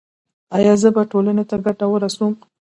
ایا زه به ټولنې ته ګټه ورسوم؟